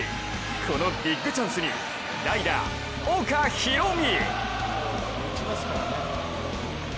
このビッグチャンスに代打・岡大海。